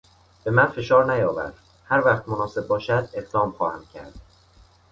بهمن فشار نیاور; هر وقت مناسب باشد اقدام خواهم کرد.